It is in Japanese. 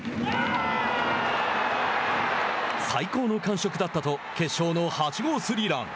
「最高の感触だった」と決勝の８号スリーラン。